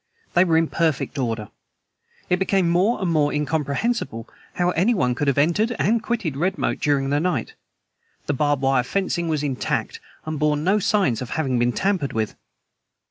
They were in perfect order. It became more and more incomprehensible how anyone could have entered and quitted Redmoat during the night. The barbed wire fencing was intact, and bore no signs of having been tampered with.